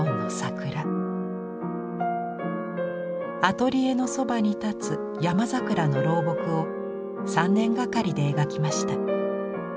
アトリエのそばに立つ山桜の老木を３年がかりで描きました。